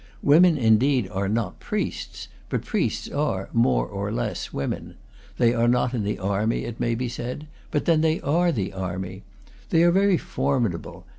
Women, indeed, are not priests; but priests are, more or less; women. They are not in the army, it may be said; but then they are the army. They are very formidable.